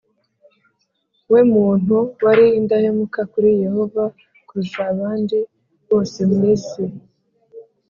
we muntu wari indahemuka kuri Yehova kurusha abandi bose mu isi